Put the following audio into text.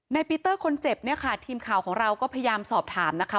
ปีเตอร์คนเจ็บเนี่ยค่ะทีมข่าวของเราก็พยายามสอบถามนะคะ